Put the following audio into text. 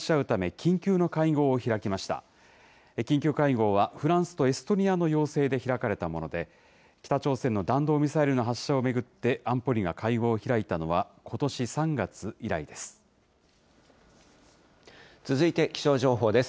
緊急会合は、フランスとエストニアの要請で開かれたもので、北朝鮮の弾道ミサイルの発射を巡って、安保理が会合を開いたのは、こと続いて気象情報です。